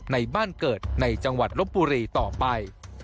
ในบ้านเกิดในจังหวัดลบบุรีต่อไป